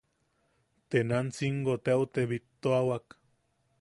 Tenancingo teau te bittuawak.